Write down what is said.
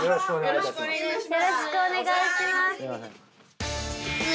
よろしくお願いします。